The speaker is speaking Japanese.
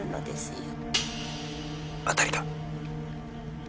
当たりか？